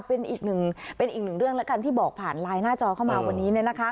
เป็นอีกหนึ่งเป็นอีกหนึ่งเรื่องแล้วกันที่บอกผ่านไลน์หน้าจอเข้ามาวันนี้